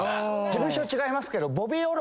事務所違いますけど。